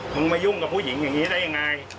มึงมายุ่งกับผู้หญิงอย่างนี้ได้ยังไง